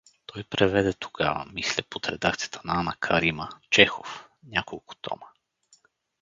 Той преведе тогава (мисля под редакцията на Ана Карима) Чехов — няколко тома.